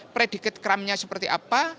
predikat kramnya seperti apa